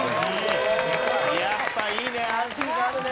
やっぱいいね。